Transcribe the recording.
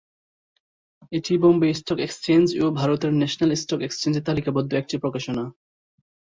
এটি Bombay stock exchange ও ভারতের ন্যাশনাল স্টক এক্সচেঞ্জের তালিকাবদ্ধ একটি প্রকাশনা।